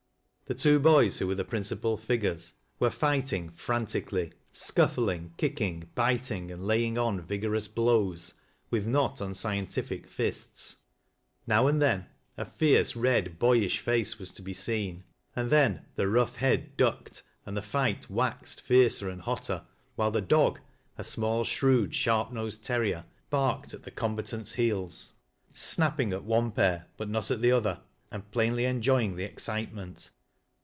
The two boys who were the principal ligures, were fighting frantically, scuffling, kicking, biting and laying on vigorous blows, with not unscientific fists. Now and then a fierce, red, boyish face was to be seen, Hcd then the rough head ducked and the fight waxed fiercer and hotter, while the dog — a small, shrewd sharp aoscd terrier — barked at the combatants' heels, snapping "LVVB ME, LOVE MY DOG. 4] at one pair, but not at the ether, and plainly enjoying the excitement.